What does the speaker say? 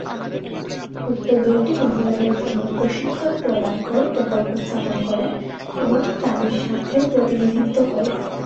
উক্ত দলটি মহিলাদের জন্য প্রশিক্ষণ প্রদান করে, প্রকল্প স্থাপন করে এবং তাদের স্বার্থের প্রতিনিধিত্ব করে।